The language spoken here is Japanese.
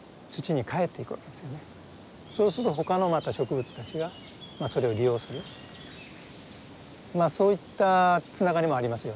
そうすると他のまた植物たちがそれを利用するそういったつながりもありますよね。